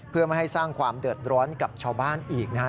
เพื่อไม่ให้สร้างความเดือดร้อนกับชาวบ้านอีกนะครับ